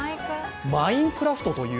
マインクラフトという。